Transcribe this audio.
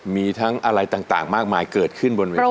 มีทั้งอะไรต่างมากมายเกิดขึ้นบนเวที